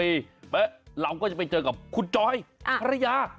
แล้วเราก็จะไปเจอกับคุณจอยภรรยา